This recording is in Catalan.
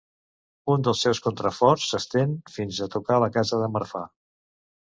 Un dels seus contraforts s'estén fins a tocar la Casa de Marfà.